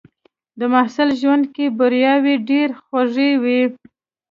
د محصل ژوند کې بریاوې ډېرې خوږې وي.